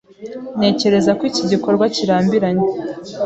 Ntekereza ko iki gikorwa kirambiranye.